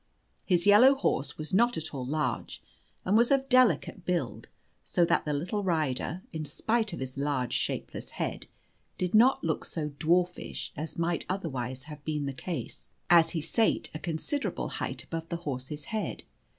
His yellow horse was not at all large, and was of delicate build, so that the little rider, in spite of his large shapeless head, did not look so dwarfish as might otherwise have been the case, as he sate a considerable height above the horse's head.